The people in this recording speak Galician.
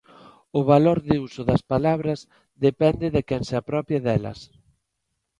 O valor de uso das palabras depende de quen se apropie delas.